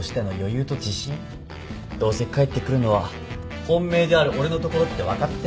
どうせ帰ってくるのは本命である俺のところって分かってるし？